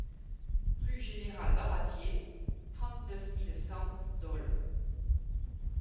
Rue Général Baratier, trente-neuf mille cent Dole